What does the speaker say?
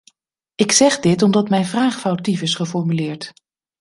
Ik zeg dit omdat mijn vraag foutief is geformuleerd.